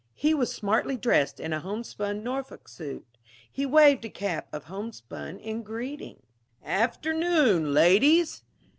He was smartly dressed in a homespun Norfolk suit. He waved a cap of homespun in greeting. "Afternoon, ladies!